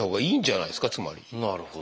なるほど。